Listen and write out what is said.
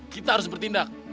kita harus bertindak